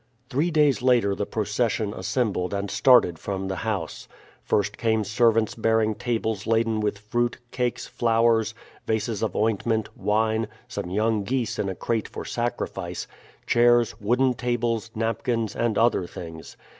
Three days later the procession assembled and started from the house. First came servants bearing tables laden with fruit, cakes, flowers, vases of ointment, wine, some young geese in a crate for sacrifice, chairs, wooden tables, napkins, and other things.